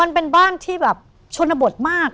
มันเป็นบ้านชนบสมาก